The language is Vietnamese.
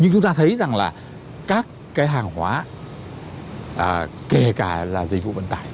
nhưng chúng ta thấy rằng là các cái hàng hóa kể cả là dịch vụ vận tải